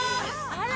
あら！